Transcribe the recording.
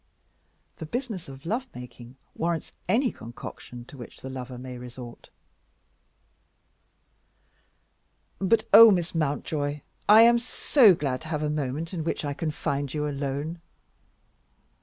The business of love making warrants any concoction to which the lover may resort. "But oh, Miss Mountjoy, I am so glad to have a moment in which I can find you alone!"